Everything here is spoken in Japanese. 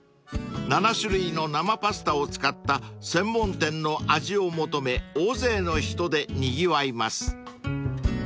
［７種類の生パスタを使った専門店の味を求め大勢の人でにぎわいます］